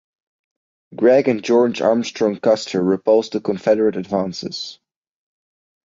Gregg and George Armstrong Custer repulsed the Confederate advances.